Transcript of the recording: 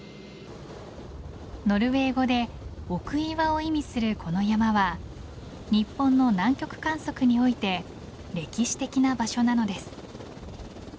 ノルウェー語で奥岩を意味するこの山は日本の南極観測において歴史的な場所なのです。